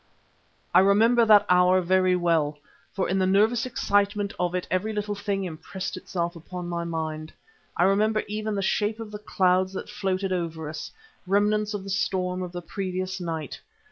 I remember that hour very well, for in the nervous excitement of it every little thing impressed itself upon my mind. I remember even the shape of the clouds that floated over us, remnants of the storm of the previous night.